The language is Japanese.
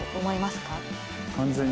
完全に。